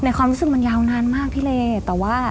ในความรู้สึกมันยาวนานมากพี่ละ